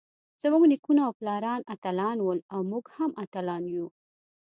زمونږ نيکونه او پلاران اتلان ول اؤ مونږ هم اتلان يو.